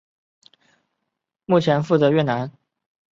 目前负责越南南北铁路洞海区段的铁路客货运牵引任务。